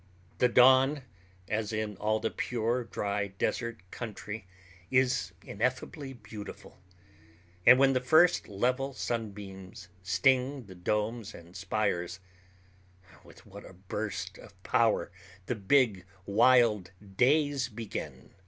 The dawn, as in all the pure, dry desert country is ineffably beautiful; and when the first level sunbeams sting the domes and spires, with what a burst of power the big, wild days begin!